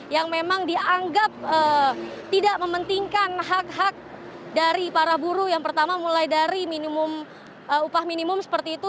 yang memang dianggap tidak mementingkan hak hak dari para buruh yang pertama mulai dari minimum seperti itu